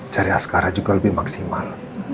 cari askara juga lebih maksimal